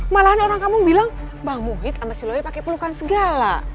malah ada orang kampung bilang bang muhyidd sama si loyo pake pelukan segala